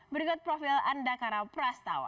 berikut profil andakara prastawa